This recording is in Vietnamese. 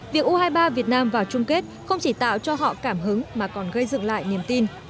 việc u hai mươi ba việt nam vào chung kết không chỉ tạo cho họ cảm hứng mà còn gây dựng lại niềm tin